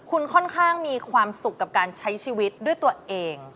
คุณค่อนข้างมีความสุขกับการใช้ชีวิตด้วยตัวเอง